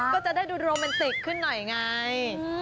ก็จะได้ดูโรแมนติกขึ้นหน่อยไง